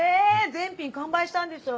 全品完売したんでしょ？